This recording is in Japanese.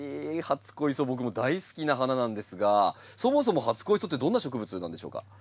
初恋草僕も大好きな花なんですがそもそも初恋草ってどんな植物なんでしょうか？